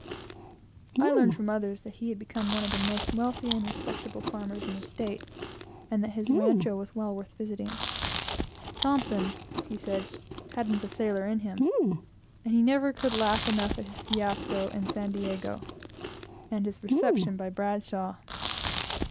(I learned from others that he had become one of the most wealthy and respectable farmers in the State, and that his rancho was well worth visiting.) Thompson, he said, hadn't the sailor in him; and he never could laugh enough at his fiasco in San Diego, and his reception by Bradshaw.